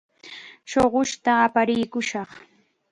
Shuqushta aparikushaq.